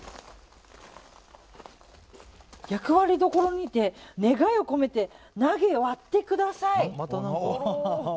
厄割処にて願いを込めて投げ、割ってください。